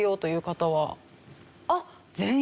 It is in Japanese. あっ全員。